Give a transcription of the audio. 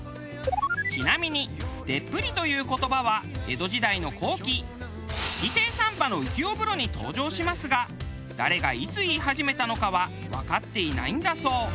ちなみに「でっぷり」という言葉は江戸時代の後期式亭三馬の『浮世風呂』に登場しますが誰がいつ言い始めたのかはわかっていないんだそう。